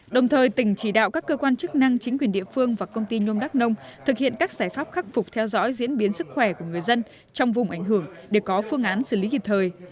đồng thời tỉnh chỉ đạo các cơ quan chức năng chính quyền địa phương và công ty nhôm đắk nông thực hiện các giải pháp khắc phục theo dõi diễn biến sức khỏe của người dân trong vùng ảnh hưởng để có phương án xử lý kịp thời